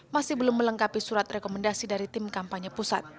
masih belum melengkapi surat rekomendasi dari tim kampanye pusat